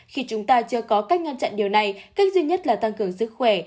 khi chúng ta chưa có cách ngăn chặn điều này cách duy nhất là tăng cường sức khỏe